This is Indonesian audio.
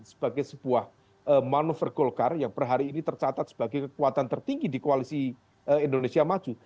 sebagai sebuah manuver golkar yang perhari ini tercatat sebagai kekuatan tertinggi di koalisi indonesia maju